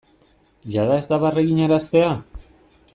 Jada ez da barre eginaraztea?